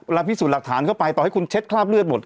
พิสูจน์หลักฐานเข้าไปต่อให้คุณเช็ดคราบเลือดหมด